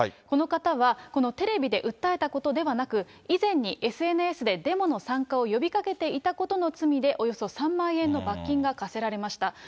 この方は、このテレビで訴えたことではなく、以前にＳＮＳでデモの参加を呼びかけていたことの罪でおよそ３万円の罰金が科せられました。